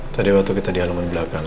tadi waktu kita di halaman belakang